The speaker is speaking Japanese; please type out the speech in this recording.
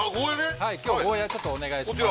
きょうゴーヤ、ちょっとお願いします。